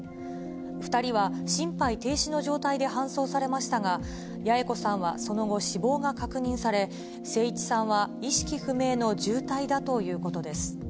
２人は心肺停止の状態で搬送されましたが、八重子さんはその後、死亡が確認され、征一さんは意識不明の重体だということです。